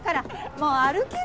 もう歩ける？